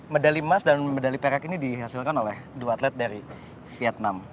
medali emas dan medali perak ini dihasilkan oleh dua atlet dari vietnam